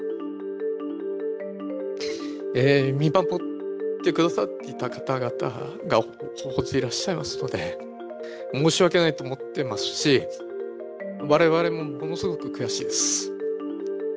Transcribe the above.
見守ってくださっていた方々が大勢いらっしゃいますので、申し訳ないと思っていますし、われわれもものすごく悔しいです。